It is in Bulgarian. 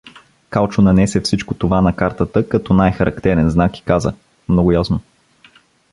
Калчо нанесе всичко това на картата като най-характерен знак и каза: — Много ясно.